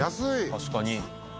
確かに。